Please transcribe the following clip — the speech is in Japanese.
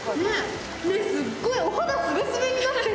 すっごい、お肌すべすべになってる。